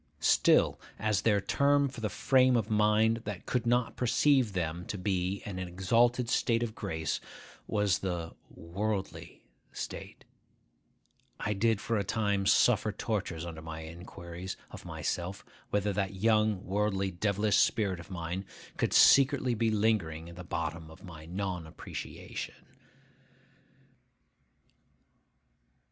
Still, as their term for the frame of mind that could not perceive them to be in an exalted state of grace was the 'worldly' state, I did for a time suffer tortures under my inquiries of myself whether that young worldly devilish spirit of mine could secretly be lingering at the bottom of my non appreciation.